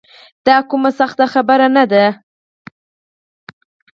دا کومه سخته خبره نه ده.